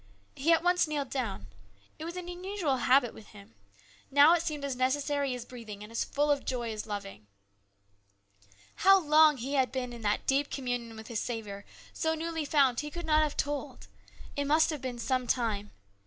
He at once kneeled down. It was an unusual habit with him. Now it seemed as necessary as breathing, and as full of joy as loving. How long he had been in that deep communion with his Saviour, so newly found, he could not have told. It must have been some time.